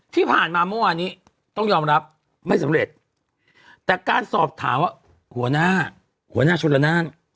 ที่ผ่านมาเมื่อวานี้ต้องยอมรับไม่สำเร็จแต่การสอบถามว่าหัวหน้าชุลนาน